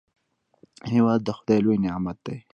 هېواد د خداي لوی نعمت دی.